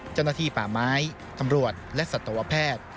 เจ้าหน้าที่ป่าไม้ตำรวจและสัตวแพทย์